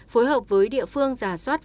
phối hợp với địa phương giả soát